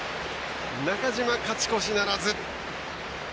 中島、勝ち越しならず。